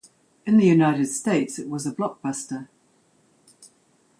In the United States, it was a blockbuster.